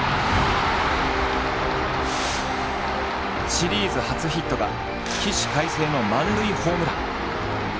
シリーズ初ヒットが起死回生の満塁ホームラン。